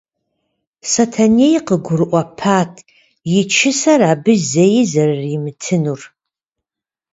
Сэтэней къыгурыӀуэпат и чысэр абы зэи зэрыримытынур.